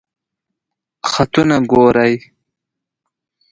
خطونه ګوری؟